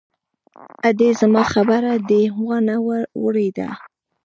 _ادې! زما خبره دې وانه ورېده!